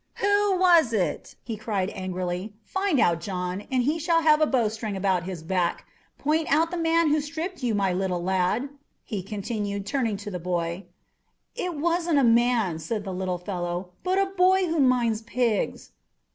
"Who was it?" he cried angrily. "Find out, John, and he shall have a bowstring about his back. Point out the man who stripped you, my little lad," he continued, turning to the boy. "It wasn't a man," said the little fellow, "but a boy who minds pigs."